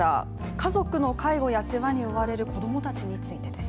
家族の介護や世話に追われる子供たちについてです。